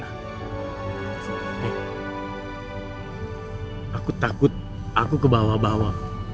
aku takut aku kebawa bawa